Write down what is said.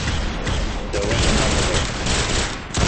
De were nemre!